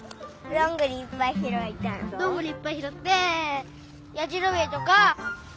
どんぐりいっぱいひろってやじろべえとかつくる。